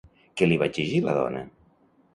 Què li va exigir la dona?